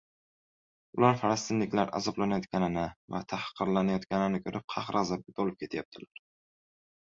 Ular, falastinliklar azoblanayotganini va tahqirlanayotganini ko‘rib, qahr-g‘azabga to‘lib ketyaptilar.